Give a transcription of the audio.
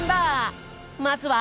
まずは。